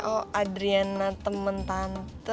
oh adriana temen tante